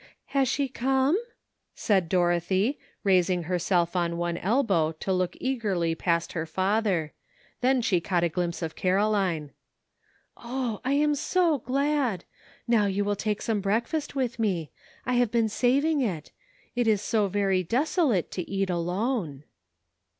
''Has she come?" said Dorothy, raising her self on one elbow to look eagerly past her father ; then she caught a glimpse of Caroline. ''Oh! I am so glad! Now you will take some breakfast with me ; I have been saving it; it is so very desolate to eat alone."